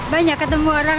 banyak ketemu orang